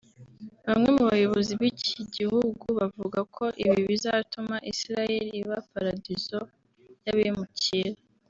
Bamwe mu bayobozi b’iki gihugu bavuga ko ibi bizatuma Israel iba Paradizo y’abimukira